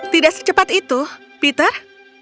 tidak secepat itu peter